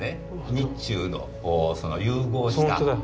日中のその融合した。